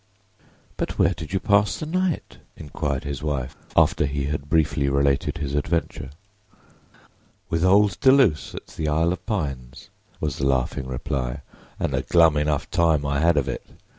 "But where did you pass the night?" inquired his wife, after he had briefly related his adventure. "With old Deluse at the 'Isle of Pines,'" was the laughing reply; "and a glum enough time I had of it.